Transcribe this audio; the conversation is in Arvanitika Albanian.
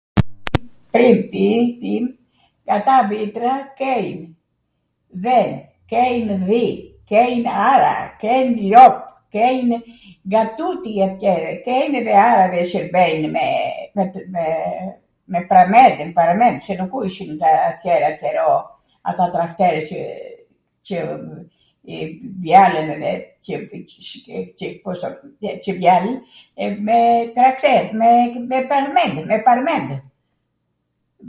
... ata vitra kejm dhen, kejmw dhi, kejnw ara, kejm ljop, kejnw nga tuti atjere, kejnw edhe ara edhe i shwrbejnw me me pramendw, aparamend, se nuku ishin tw atjera qero ata trakterw qw i mbjalwn edhe qw ... mjalwn me trakter, me parmendw, me parmendw.